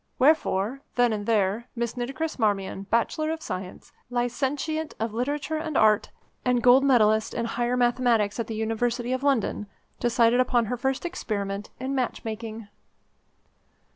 Wherefore, then and there, Miss Nitocris Marmion, Bachelor of Science, Licentiate of Literature and Art, and Gold Medallist in Higher Mathematics at the University of London, decided upon her first experiment in match making.